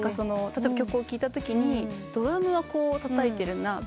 例えば曲を聴いたときにドラムはこうたたいてるな。